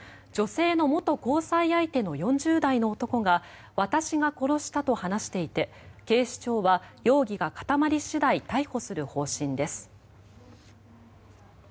女性の元交際相手の４０代の男が私が殺したと話していて警視庁は容疑が固まり次第逮捕する方針です。